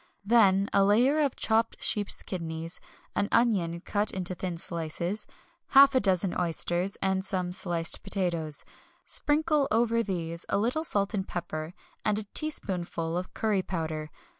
Then a layer of chopped sheep's kidneys, an onion cut into thin slices, half a dozen oysters, and some sliced potatoes. Sprinkle over these a little salt and pepper and a teaspoonful of curry powder.